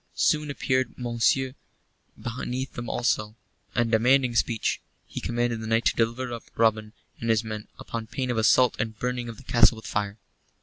Soon appeared Monceux beneath them alone, and demanding speech. He commanded the knight to deliver up Robin and his men upon pain of assault and burning of the castle with fire.